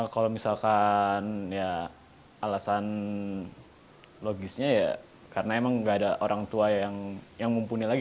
kalau misalkan ya alasan logisnya ya karena emang gak ada orang tua yang mumpuni lagi